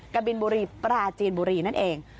กระบินบุรีปลาจีนบุรีเนื่อยนั้นเอง